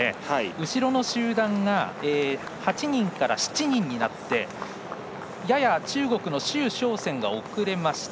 後ろの集団が８人から７人になってやや中国の周召倩が遅れました。